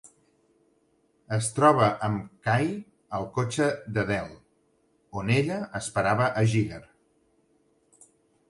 Es troba amb Kay al cotxe de Del, on ella esperava a Jigger.